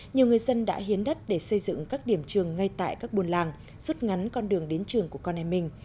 nhiều người dân đã hiến đất để xây dựng các điểm trường ngay tại các buôn làng rút ngắn con đường đến trường của con em mình